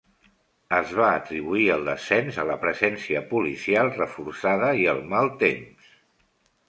Es va atribuir el descens a la presència policial reforçada i el mal temps.